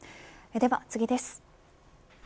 では次です。